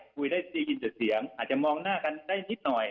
คุยได้ยินแต่เสียงอาจจะมองหน้ากันได้นิดหน่อย